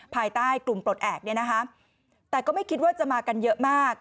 ภายใต้กลุ่มปลดแอบเนี่ยนะคะแต่ก็ไม่คิดว่าจะมากันเยอะมาก